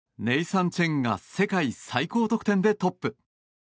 ネイサン・チェンが世界最高得点でトップ。